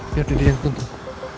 biar dia yang tuntung